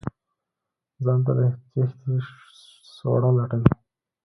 ځان ته د تېښتې سوړه لټوي.